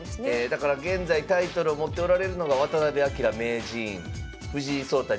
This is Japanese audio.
だから現在タイトルを持っておられるのが渡辺明名人藤井聡太